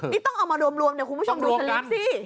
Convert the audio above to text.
นี่ต้องเอามารวมเนี่ยคุณผู้ชมดูสลิปสิ